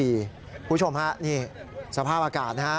คุณผู้ชมฮะนี่สภาพอากาศนะฮะ